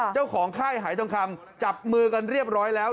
ค่ายหายทองคำจับมือกันเรียบร้อยแล้ว